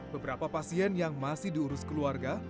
beberapa pasien yang masih diurus keluarga